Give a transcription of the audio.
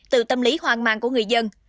từ tâm lý hoang mang của người dân